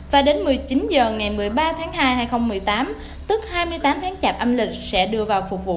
và đến một mươi chín h ngày một mươi ba tháng hai hai nghìn một mươi tám tức hai mươi tám tháng chạp âm lịch sẽ đưa vào phục vụ